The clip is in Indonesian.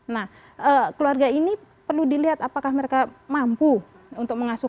nah keluarga ini perlu dilihat apakah mereka mampu untuk mengasuh